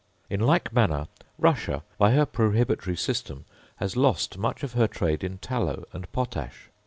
In like manner Russia, by her prohibitory system, has lost much of her trade in tallow and potash.